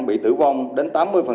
bị tử vong đến tám mươi